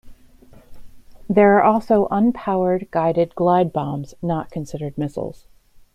There are also unpowered guided glide bombs not considered missiles.